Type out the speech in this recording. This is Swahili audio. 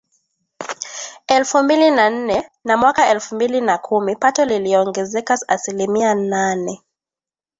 elfu mbili na nne na mwaka elfu mbili na kumi pato liliongezeka asilimia nane